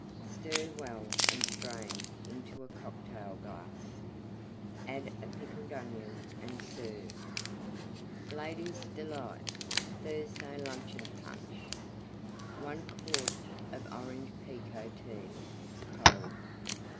Stir well and strain into a Cocktail glass. Add a Pickeled Onion and serve. LADIES' DELIGHT Thursday Luncheon Punch 1 quart of Orange Pekoe Tea (cold).